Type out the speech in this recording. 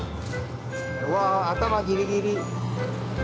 わあ頭ギリギリ。